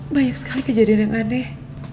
banyak sekali kejadian yang aneh